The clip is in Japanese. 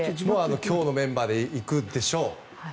今日のメンバーで行くでしょう。